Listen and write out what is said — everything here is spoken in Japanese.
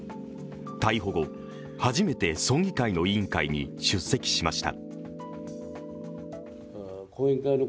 逮捕後、初めて村議会の委員会に出席しました。